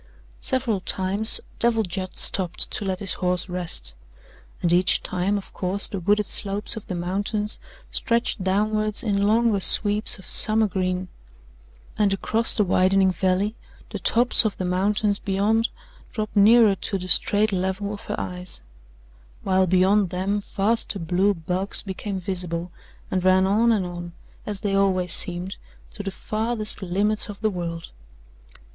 Several times Devil Judd stopped to let his horse rest, and each time, of course, the wooded slopes of the mountains stretched downward in longer sweeps of summer green, and across the widening valley the tops of the mountains beyond dropped nearer to the straight level of her eyes, while beyond them vaster blue bulks became visible and ran on and on, as they always seemed, to the farthest limits of the world.